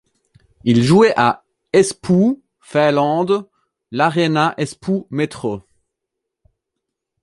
Ils jouaient à Espoo, Finland, l'Aréna Espoo Metro.